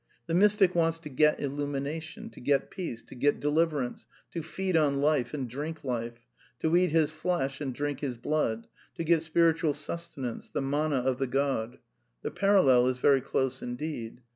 The mystic wants to ^ get illumination, to get peace, to get deliverance, to feed on life and drink life — to eat His flesh and drink His blood — to get spiritual sustenance, the mana of the Qod. The parallel is very close indeed.